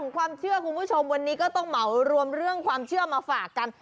ความเชื่อคุณผู้ชมวันนี้ก็ต้องเหมารวมเรื่องความเชื่อมาฝากกัน